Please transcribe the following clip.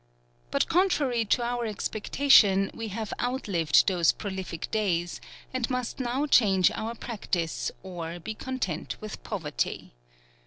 But contrary to our expectation, we have outlived those prolific days, and must now change our practice, or be content with poverty.